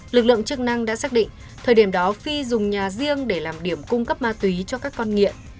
lực lượng chức năng đã xác định thời điểm đó phi dùng nhà riêng để làm điểm cung cấp ma túy cho các con nghiện